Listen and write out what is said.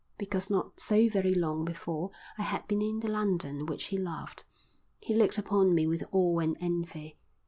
Because not so very long before I had been in the London which he loved, he looked upon me with awe and envy.